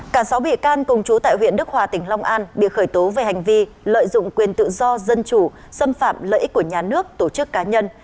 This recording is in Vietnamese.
cả sáu bị can cùng chú tại huyện đức hòa tỉnh long an bị khởi tố về hành vi lợi dụng quyền tự do dân chủ xâm phạm lợi ích của nhà nước tổ chức cá nhân